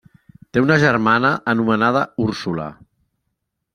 Té una germana anomenada Úrsula.